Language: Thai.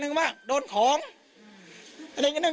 พี่ทีมข่าวของที่รักของ